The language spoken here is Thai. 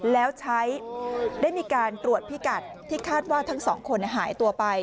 แล้วใช้ได้มีการตรวจพิกัดที่คาดว่าทั้งสองคนหายตัวไป